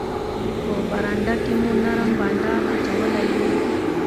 په برنډه کې مو نرم بانډار اچولی وو.